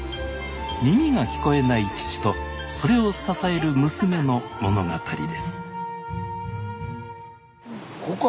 耳が聞こえない父とそれを支える娘の物語ですはい。